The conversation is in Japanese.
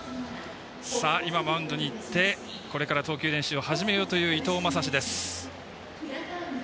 マウンドに行ってこれから投球練習を始めようという伊藤将司です。